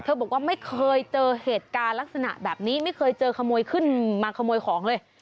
บอกว่าไม่เคยเจอเหตุการณ์ลักษณะแบบนี้ไม่เคยเจอขโมยขึ้นมาขโมยของเลย